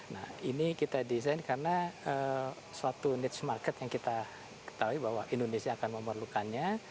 nah ini kita desain karena suatu needs market yang kita ketahui bahwa indonesia akan memerlukannya